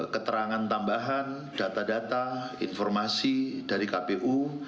keterangan tambahan data data informasi dari kpu